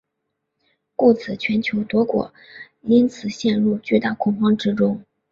故此全球多国因此陷入巨大恐慌之中。